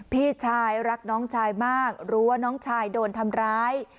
พี่ชายรักน้องชายมากรู้ว่าน้องชายโดนทำร้าย